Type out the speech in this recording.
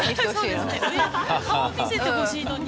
顔を見せてほしいのに。